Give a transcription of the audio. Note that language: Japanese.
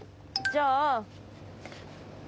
じゃあ。